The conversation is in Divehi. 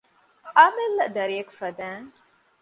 އަމިއްލަ ދަރިއަކު ފަދައިން